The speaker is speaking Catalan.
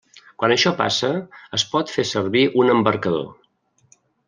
Quan això passa es pot fer servir un embarcador.